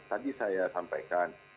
tadi saya sampaikan